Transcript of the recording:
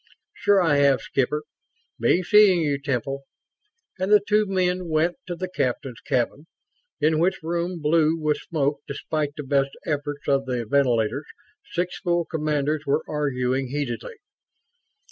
"Sure I have, Skipper. Be seeing you, Temple," and the two men went to the captain's cabin; in which room, blue with smoke despite the best efforts of the ventilators, six full commanders were arguing heatedly.